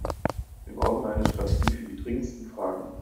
Wir brauchen eine Strategie für die dringendsten Fragen.